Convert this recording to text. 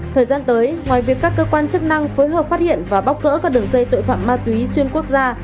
thời gian tới ngoài việc các cơ quan chức năng phối hợp phát hiện và bóc gỡ các đường dây tội phạm ma túy xuyên quốc gia